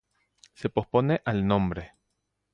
Se pospone al nombre.